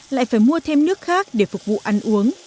vẫn phải trả phí thêm nước khác để phục vụ ăn uống